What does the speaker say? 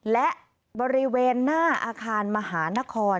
และบริเวณหน้าอาคารมหานคร